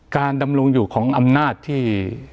ดำรงอยู่ของอำนาจที่